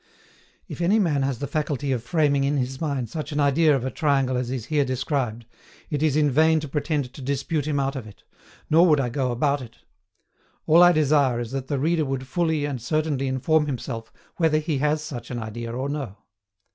If any man has the faculty of framing in his mind such an idea of a triangle as is here described, it is in vain to pretend to dispute him out of it, nor would I go about it. All I desire is that the reader would fully and certainly inform himself whether he has such an idea or no.